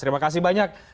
terima kasih banyak